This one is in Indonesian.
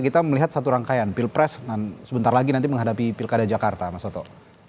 kita melihat satu rangkaian pilpres dan sebentar lagi nanti menghadapi pilkada jakarta mas soto